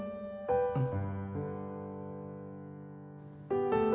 うん